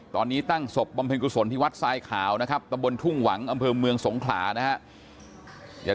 ตอนนี้ตั้งศพบำเพ็ญกุศลที่วัดทรายขาวนะครับตำบลทุ่งหวังอำเภอเมืองสงขลานะครับ